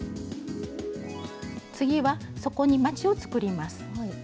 次は底にまちを作ります。